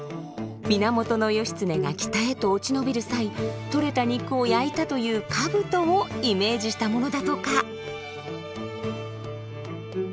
源義経が北へと落ち延びる際取れた肉を焼いたというかぶとをイメージしたものだとか。